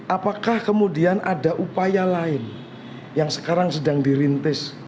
apakah kemudian ada upaya lain yang sekarang sedang dirintis